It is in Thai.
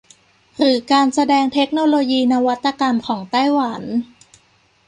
หรือการแสดงเทคโนโลยีนวัตกรรมของไต้หวัน